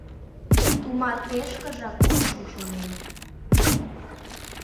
Тумартешкыжак ом шу, шонем...